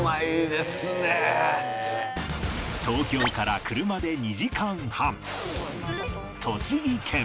東京から車で２時間半